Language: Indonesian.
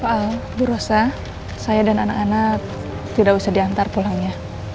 pak al bu rosa saya dan anak anak tidak usah diantar pulangnya